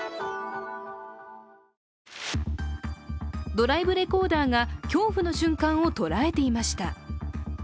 ドライブレコーダーが恐怖の瞬間を捉えていました。